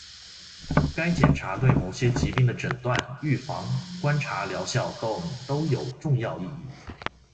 该检查对某些疾病的诊断、预防、观察疗效等都有重要意义